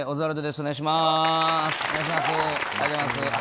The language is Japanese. お願いします。